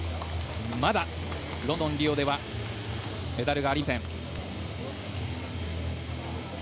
まだロンドン、リオではメダルがありません。